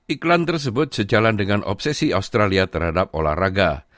iklan tersebut sejalan dengan obsesi australia terhadap olahraga